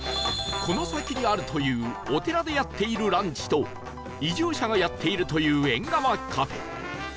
この先にあるというお寺でやっているランチと移住者がやっているという縁側カフェ